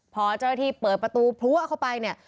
พอเจ้าหน้าที่เปิดประตูพลัวเข้าไปเนี่ย